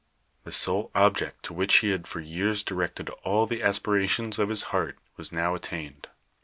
The sole object to wliieh he had for years directed all the aspirations of His heart was now at tained.